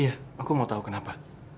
iya aku mau tahu kenapa